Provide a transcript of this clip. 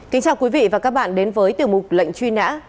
kính chào quý vị và các bạn đến với tiểu mục lệnh truy nã